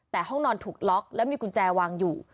แต่ห้องนอนถูกล็อกแล้วมีกุญแจวางอยู่